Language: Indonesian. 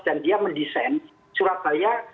dan dia mendesain surat bahaya